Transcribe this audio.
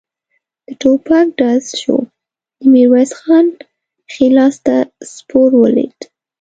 د ټوپک ډز شو، د ميرويس خان ښی لاس ته سپور ولوېد.